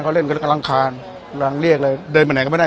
เขาเล่นกันแล้วกำลังคาญกำลังเรียกเลยเดินไปไหนก็ไม่ได้